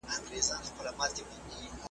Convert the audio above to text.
ښکاري هم کرار کرار ورغی پلی .